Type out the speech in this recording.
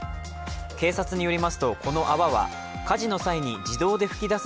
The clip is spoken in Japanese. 警察によりますとこの泡は火事の際に自動で噴き出す